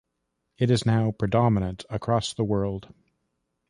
It is now predominant across the world.